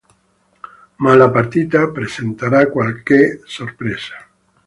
Ma la partita presenterà qualche sorpresa.